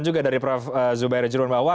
juga dari prof zubaira jerun bahwa